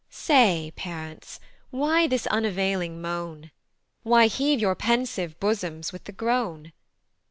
Say, parents, why this unavailing moan? Why heave your pensive bosoms with the groan?